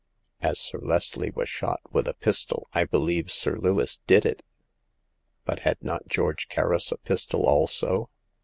As Sir Leslie was shot with a pistol, I believe Sir Lewis did it." But had not George Kerris a pistol also